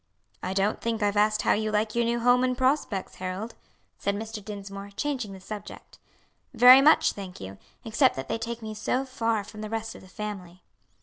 "I don't think I've asked how you like your new home and prospects, Harold," said Mr. Dinsmore, changing the subject. "Very much, thank you; except that they take me so far from the rest of the family."